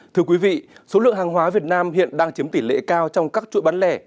thưa quý vị số lượng hàng hóa việt nam hiện đang chiếm tỷ lệ cao trong các chuỗi bán lẻ